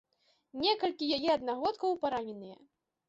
Некалькі яе аднагодкаў параненыя.